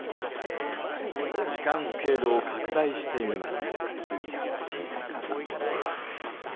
時間スケールを拡大してみます。